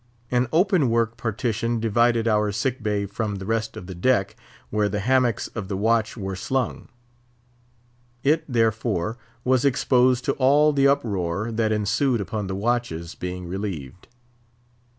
An open work partition divided our sick bay from the rest of the deck, where the hammocks of the watch were slung; it, therefore, was exposed to all the uproar that ensued upon the watches being relieved.